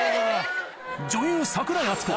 女優櫻井淳子